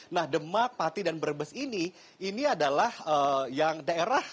nah demak pati dan berbes ini adalah yang daerah